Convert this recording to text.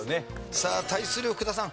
さあ対する福田さん。